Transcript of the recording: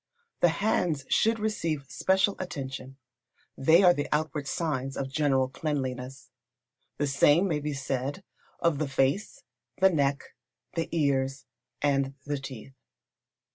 The hands should receive special attention. They are the outward signs of general cleanliness. The same may be said of the face, the neck, the ears, and the teeth.